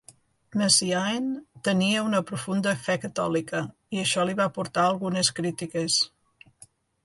Messiaen tenia una profunda fe catòlica i això li va portar algunes crítiques.